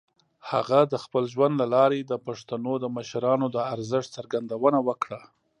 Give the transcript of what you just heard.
هغه د خپل ژوند له لارې د پښتنو د مشرانو د ارزښت څرګندونه وکړه.